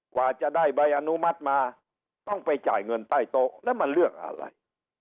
กว่าจะได้ใบอนุมัติมาต้องไปจ่ายเงินใต้โต๊ะแล้วมันเรื่องอะไร